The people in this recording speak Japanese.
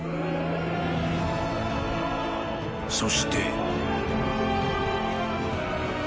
［そして］